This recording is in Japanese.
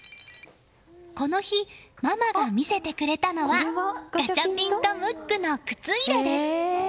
この日、ママが見せてくれたのはガチャピンとムックの靴入れです。